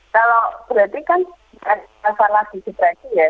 kalau berarti kan masalah disipresi ya